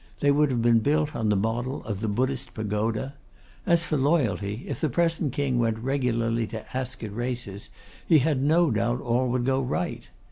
They would have been built on the model of the Budhist pagoda. As for Loyalty, if the present King went regularly to Ascot races, he had no doubt all would go right.